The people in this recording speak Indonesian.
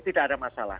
tidak ada masalah